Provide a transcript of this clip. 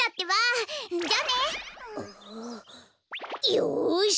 よし！